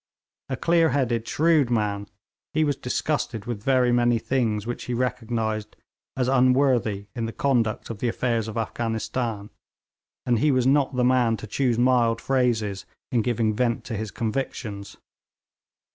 A clear headed, shrewd man, he was disgusted with very many things which he recognised as unworthy in the conduct of the affairs of Afghanistan, and he was not the man to choose mild phrases in giving vent to his convictions.